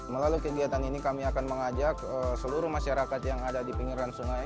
melalui kegiatan ini kami akan mengajak seluruh masyarakat yang ada di pinggiran sungai